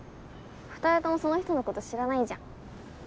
２人ともその人のこと知らないじゃん。